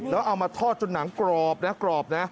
แล้วเอามาทอดจนหนังกรอบนะกรอบนะ